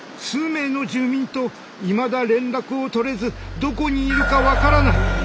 数名の住民といまだ連絡を取れずどこにいるか分らない。